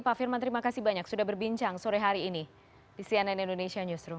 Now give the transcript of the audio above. pak firman terima kasih banyak sudah berbincang sore hari ini di cnn indonesia newsroom